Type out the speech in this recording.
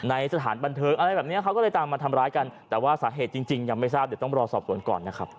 สถานบันเทิงอะไรแบบนี้เขาก็เลยตามมาทำร้ายกันแต่ว่าสาเหตุจริงยังไม่ทราบเดี๋ยวต้องรอสอบสวนก่อนนะครับ